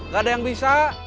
gak ada yang bisa